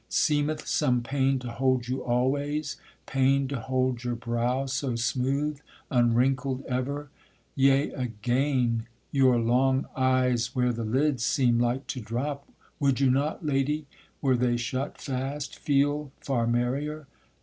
seemeth some pain To hold you always, pain to hold your brow So smooth, unwrinkled ever; yea again, Your long eyes where the lids seem like to drop, Would you not, lady, were they shut fast, feel Far merrier?